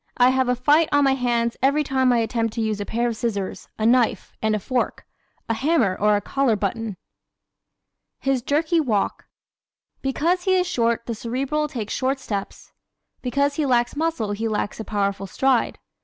"I have a fight on my hands every time I attempt to use a pair of scissors, a knife and fork, a hammer or a collar button." His Jerky Walk ¶ Because he is short the Cerebral takes short steps. Because he lacks muscle he lacks a powerful stride.